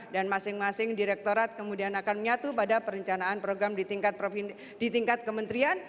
dan masing masing direktorat kemudian akan menyatu pada perencanaan program di tingkat kementerian